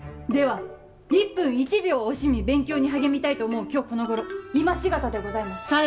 では一分一秒を惜しみ勉強に励みたいと思う今日この頃今し方でございます